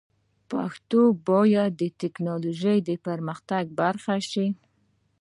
پښتو باید د ټکنالوژۍ د پرمختګ برخه شي.